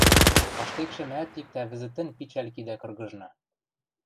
Паштекшӹ мӓӓт иктӓ вӹзӹтӹн пичӓл кидӓ кыргыжна.